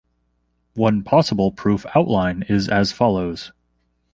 One possible proof outline is as follows.